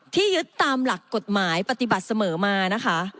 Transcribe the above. ยึดตามหลักกฎหมายปฏิบัติเสมอมานะคะ